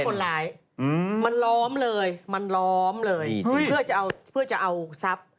ก็เป็นคนร้ายมันล้อมเลยเพื่อจะเอาทรัพย์